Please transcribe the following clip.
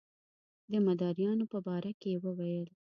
د مداریانو په باره کې یې ویل.